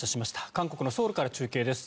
韓国のソウルから中継です。